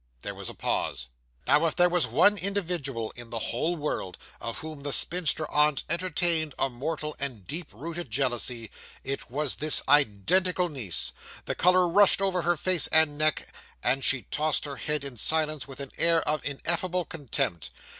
There was a pause. Now, if there was one individual in the whole world, of whom the spinster aunt entertained a mortal and deep rooted jealousy, it was this identical niece. The colour rushed over her face and neck, and she tossed her head in silence with an air of ineffable contempt.